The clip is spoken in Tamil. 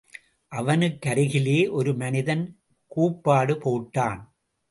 அவனுக்கருகிலே ஒரு மனிதன் கூப்பாடு போட்டான்.